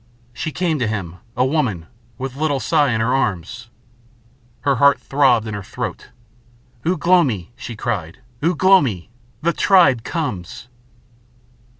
She came to him, a woman, with little Si in her arms. Her heart throbbed in her throat. "Ugh lomi!" she cried, "Ugh lomi, the tribe comes!"